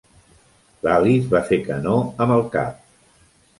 L'Alice va fer que no amb el cap.